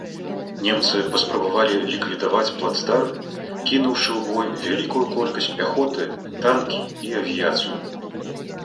Немцы паспрабавалі ліквідаваць плацдарм, кінуўшы ў бой вялікую колькасць пяхоты, танкі і авіяцыю.